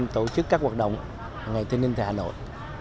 tổ chức các hoạt động ngày tây ninh tại hà nội